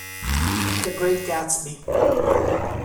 The Great Gatsby